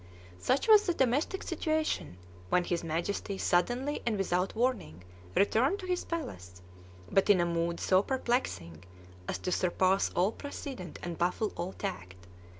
Such was the domestic situation when his Majesty suddenly and without warning returned to his palace, but in a mood so perplexing as to surpass all precedent and baffle all tact.